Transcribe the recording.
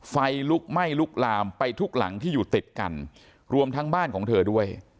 ไฟลุกไหม้ลุกลามไปทุกหลังที่อยู่ติดกันรวมทั้งบ้านของเธอด้วย